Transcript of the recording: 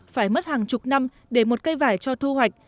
phải mất hàng chục năm để một cây vải cho thu hoạch